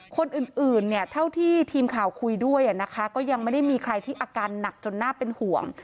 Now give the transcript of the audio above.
คนอื่นเนี่ยเท่าที่ทีมข่าวคุยด้วยนะคะก็ยังไม่ได้มีใครที่อาการหนักจนน่าเป็นห่วง